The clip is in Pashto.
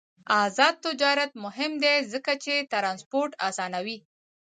آزاد تجارت مهم دی ځکه چې ترانسپورت اسانوي.